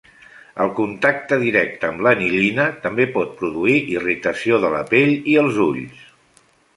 El contacte directe amb l'anilina també pot produir irritació de la pell i els ulls.